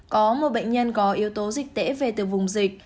có một bệnh nhân có yếu tố dịch tễ về từ vùng dịch